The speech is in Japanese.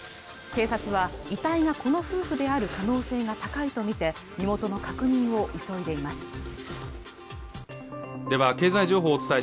警察は遺体がこの夫婦である可能性が高いと見て身元の確認を急いでいます